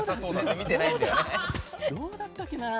どうだったっけな？